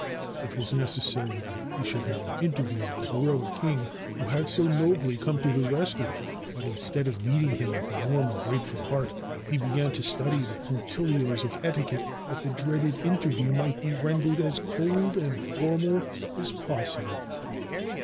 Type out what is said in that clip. It was necessary that he should have an interview with the heroic king who had so nobly come to his rescue. But instead of meeting him with a warm and grateful heart, he began to study the punctilios of etiquette, that the dreaded interview might be rendered as cold and formal as possible.